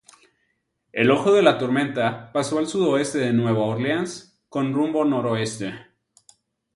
El ojo de la tormenta pasó al sudoeste de Nueva Orleans con rumbo noroeste.